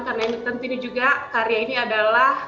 karena tentu ini juga karya ini adalah